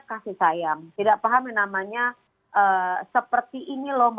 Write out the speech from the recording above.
kasih sayang tidak paham yang namanya seperti ini loh